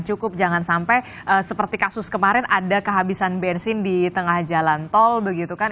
cukup jangan sampai seperti kasus kemarin ada kehabisan bensin di tengah jalan tol begitu kan